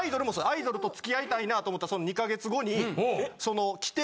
アイドルと付き合いたいなと思ったらその２か月後に来て。